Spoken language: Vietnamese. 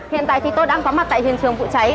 hiện tại thì tôi đang có mặt tại hiện trường vụ cháy